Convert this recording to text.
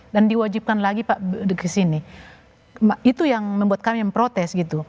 dan diwajibkan lagi pak ke sini itu yang membuat kami memprotes gitu